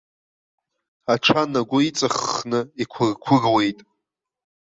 Аҽан агәы иҵаххны иқәырқәыруеит.